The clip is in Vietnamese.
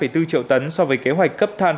một bốn triệu tấn so với kế hoạch cấp than